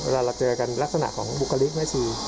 เราเจอกันลักษณะของบุคลิกแม่ชี